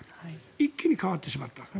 一気に変わってしまった。